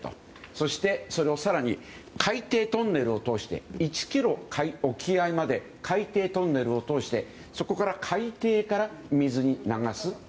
そして、それを更に海底トンネルを通して１ｋｍ沖合まで海底トンネルを通して海底から水に流す。